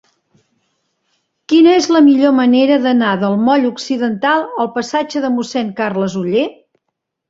Quina és la millor manera d'anar del moll Occidental al passatge de Mossèn Carles Oller?